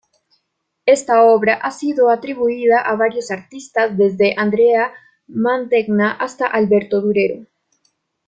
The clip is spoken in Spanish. Esta obra ha sido atribuida a varios artistas, desde Andrea Mantegna hasta Alberto Durero.